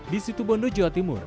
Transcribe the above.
di situ bondo jawa timur